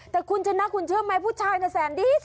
แต่คุณชนะคุณเชื่อไหมผู้ชายน่ะแสนดี